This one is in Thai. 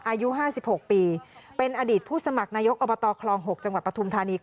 อายุ๕๖ปีเป็นอดีตผู้สมัครนายกอบตคลอง๖จังหวัดปฐุมธานี